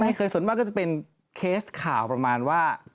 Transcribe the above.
ไม่เคยสมมติว่าก็จะเป็นเคสข่าวประมาณว่า